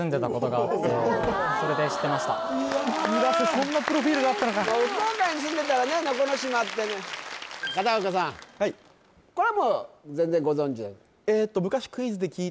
そんなプロフィールがあったのか福岡に住んでたらね能古島ってね片岡さんこれはもう全然ご存じで？